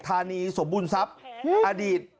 ฐานีสมบุรณซับอดีต